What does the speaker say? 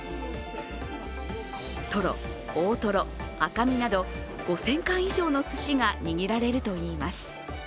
トロ、大トロ、赤身など５０００貫以上のすしが握られるといいます。